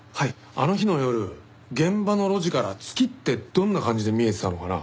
あの日の夜現場の路地から月ってどんな感じで見えてたのかな？